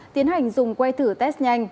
tiến hành dùng quay thử test nhanh